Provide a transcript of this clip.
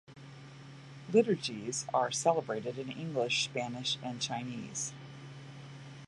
Liturgies are celebrated in English, Spanish, and Chinese.